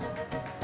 kamu dari mana